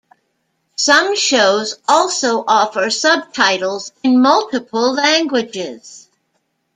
Some shows also offer subtitles in multiple languages.